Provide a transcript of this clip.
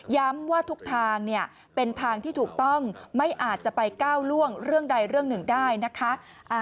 ว่าทุกทางเป็นทางที่ถูกต้องไม่อาจจะไปก้าวล่วงเรื่องใดเรื่องหนึ่งได้นะคะ